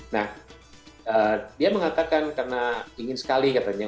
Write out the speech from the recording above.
nah dia mengatakan karena ingin sekali katanya